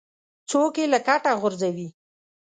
څوک یې له کټه غورځوي.